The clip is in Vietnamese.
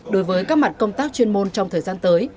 đối với các mặt công tác chuyên môn trong thời gian tới